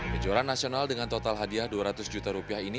kejuaraan nasional dengan total hadiah dua ratus juta rupiah ini